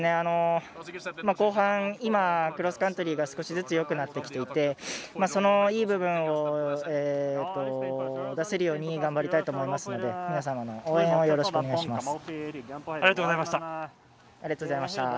後半、クロスカントリーが少しずつよくなってきていてそのいい部分を出せるように頑張りたいと思いますので皆様の応援をよろしくお願いします。